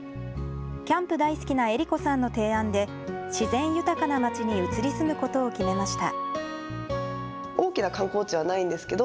キャンプ大好きな江梨子さんの提案で自然豊かな町に移り住むことを決めました。